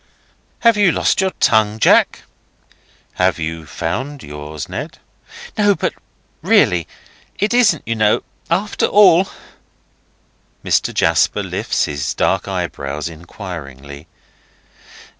"Have you lost your tongue, Jack?" "Have you found yours, Ned?" "No, but really;—isn't it, you know, after all—" Mr. Jasper lifts his dark eyebrows inquiringly.